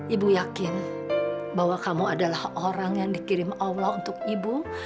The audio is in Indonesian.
ibu yakin bahwa kamu adalah orang yang dikirim allah untuk ibu